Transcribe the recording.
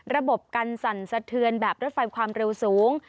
ระบบกันสั่นสะเทือนแบบรถไฟความเร็วสูง